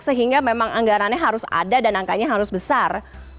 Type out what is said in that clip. sehingga memang anggarannya harus ada dan angkanya harus besar